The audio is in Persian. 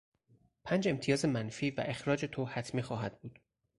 پنج امتیاز منفی و اخراج تو حتمی خواهد بود!